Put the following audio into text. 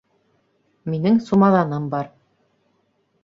Минең сумаҙаным бар